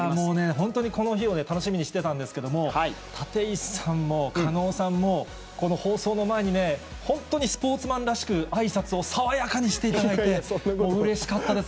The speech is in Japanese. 本当にこの日を楽しみにしてたんですけれども、立石さんも狩野さんも、この放送の前にね、本当にスポーツマンらしく、あいさつを爽やかにしていただいて、もううれしかったです。